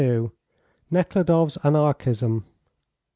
NEKHLUDOFF'S ANARCHISM.